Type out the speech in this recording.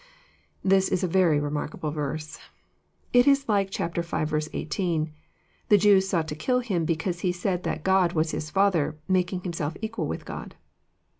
This is a very remarkable verse. It is like chap. v. 18 :*' The Jews sought to kill Him, because He said that God was His Father, making Himself equal with God."